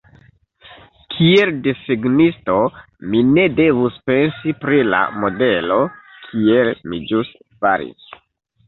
Kiel desegnisto, mi ne devus pensi pri la modelo, kiel mi ĵus faris.